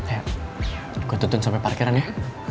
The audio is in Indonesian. ya gue tutun sampe parkiran ya